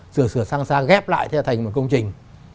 sửa sửa sang sang ghép lại thành một công trình